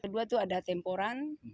kedua tuh ada tempo run